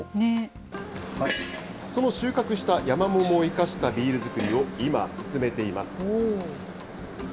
その収穫したヤマモモを生かしたビール造りを今、進めています。